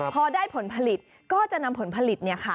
พอได้ผลผลิตก็จะนำผลผลิต